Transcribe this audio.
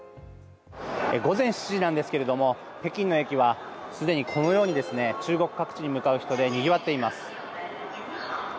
午前７時なんですが北京の駅はすでにこのように中国各地に向かう人でにぎわっています。